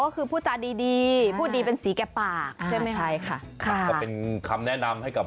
ถือสินห้ายังเข้มข้น